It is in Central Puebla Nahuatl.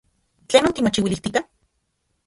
¿Tlenon timochiuilijtika?